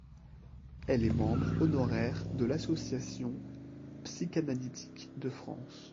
Elle est membre honoraire de l'Association psychanalytique de France.